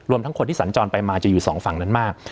ทั้งคนที่สัญจรไปมาจะอยู่สองฝั่งนั้นมาก